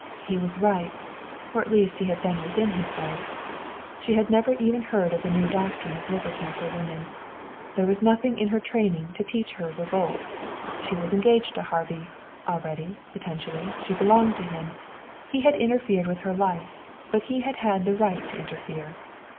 He was right, or at least he had been within his rights. She had never even heard of the new doctrine of liberty for women. There was nothing in her training to teach her revolt. She was engaged to Harvey; already, potentially, she belonged to him. He had interfered with her life, but he had had the right to interfere.